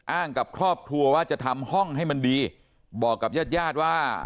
กับครอบครัวว่าจะทำห้องให้มันดีบอกกับญาติญาติว่า